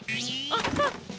アハッ。